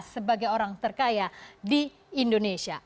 sebagai orang terkaya di indonesia